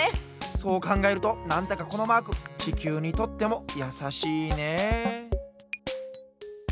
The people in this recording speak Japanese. そうかんがえるとなんだかこのマークちきゅうにとってもやさしいねえ。